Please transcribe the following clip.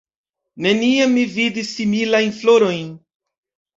Neniam mi vidis similajn florojn.